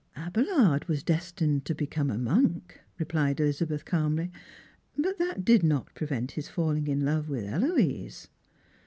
" Abelard was destined to become a monk," rephed Elizabeth calmly, " but that did not prevent his falling in love with Eloise."